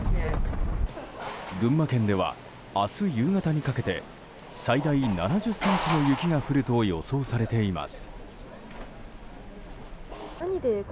群馬県では、明日夕方にかけて最大７０ｃｍの雪が降ると予想されています。